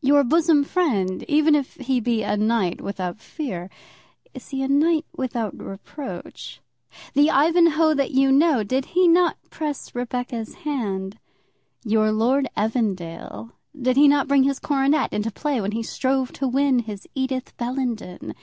Your bosom friend, even if he be a knight without fear, is he a knight without reproach? The Ivanhoe that you know, did he not press Rebecca's hand? Your Lord Evandale, did he not bring his coronet into play when he strove to win his Edith Bellenden?